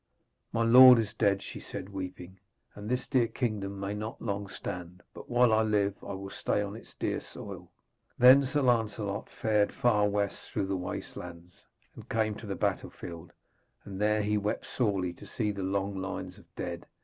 'My lord is dead,' she said, weeping, 'and this dear kingdom may not long stand, but while I live I will stay on its dear soil.' Then Sir Lancelot fared far west through the wastelands, and came to the battlefield; and there he wept sorely to see the long lines of dead.